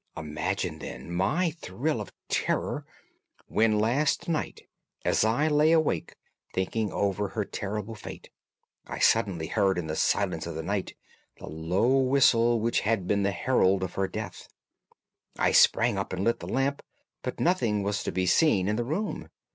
Imagine, then, my thrill of terror when last night, as I lay awake, thinking over her terrible fate, I suddenly heard in the silence of the night the low whistle which had been the herald of her own death. I sprang up and lit the lamp, but nothing was to be seen in the room.